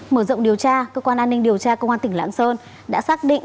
mở rộng điều tra cơ quan an ninh điều tra công an tỉnh lạng sơn đã xác định